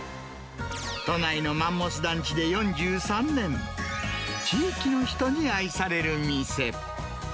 都内のマンモス団地で４３年、地域の人に愛される店。